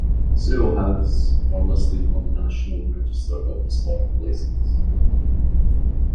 Sewell House are listed on the National Register of Historic Places.